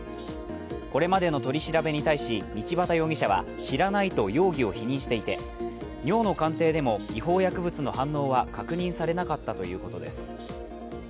これまでの取り調べに対し、道端容疑者は知らないと容疑を否定していて、尿の鑑定でも違法薬物の反応は確認されなかったということです。